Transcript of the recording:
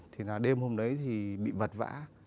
thì là đêm hôm đấy thì bị vật vã